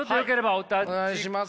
お願いします。